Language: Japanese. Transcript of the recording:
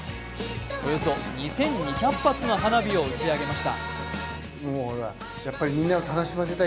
およそ２２００発の花火を打ち上げました。